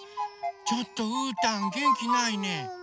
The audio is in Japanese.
ちょっとうーたんげんきないね。